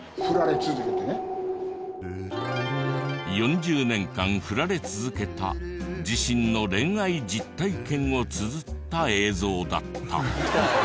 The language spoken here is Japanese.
４０年間振られ続けた自身の恋愛実体験をつづった映像だった。